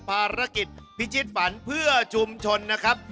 ภารกิจพิชิตฝันเพื่อชุมชนนะครับ